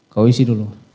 kau isi dulu